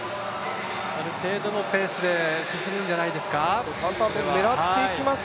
ある程度のペースで進むんじゃないですか。